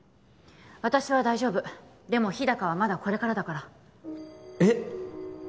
私は大丈夫でも日高はまだこれからだからえっ！？